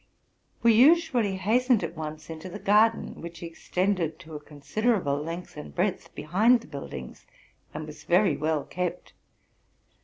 We usually hastened at once into the garden, which extended to a conside1 'able length and breadth behind the buildings, and was very well kept.